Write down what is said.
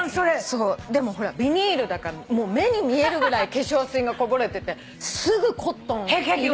そうでもビニールだから目に見えるぐらい化粧水がこぼれててすぐコットン。